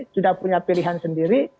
sudah punya pilihan sendiri